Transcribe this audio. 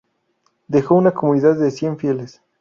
Dejó una comunidad de cien fieles.